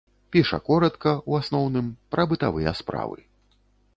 Піша коратка, у асноўным, пра бытавыя справы.